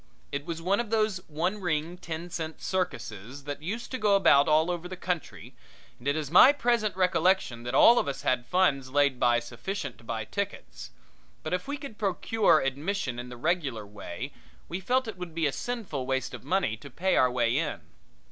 It was one of those one ring, ten cent circuses that used to go about over the country, and it is my present recollection that all of us had funds laid by sufficient to buy tickets; but if we could procure admission in the regular way we felt it would be a sinful waste of money to pay our way in.